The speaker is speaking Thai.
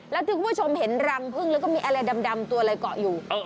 แล้วที่คุณผู้ชมเห็นรังพึ่งแล้วก็มีอะไรดำตัวอะไรเกาะอยู่